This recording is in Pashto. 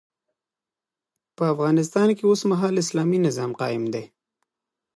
په افغانستان کي اوسمهال اسلامي نظام قايم دی